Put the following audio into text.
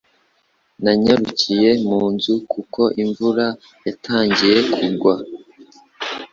Nanyarukiye mu nzu kuko imvura yatangiye kugwa.